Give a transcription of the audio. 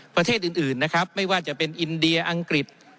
ประเทศอื่นนะครับไม่ว่าจะเป็นอินเดียอังกฤษ